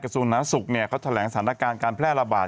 กระทรวงนาศุกร์เขาแถลงสถานการณ์การแพร่ระบาด